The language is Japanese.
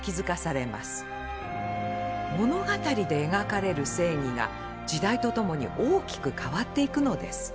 物語で描かれる正義が時代とともに大きく変わっていくのです。